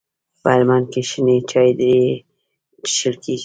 په هلمند کي شنې چاي ډيري چیښل کیږي.